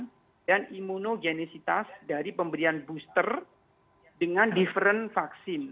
untuk memperbaikan imunogenesis dari pemberian booster dengan different vaksin